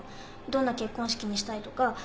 どんな結婚式にしたいとか。